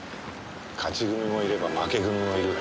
勝ち組もいれば負け組もいる。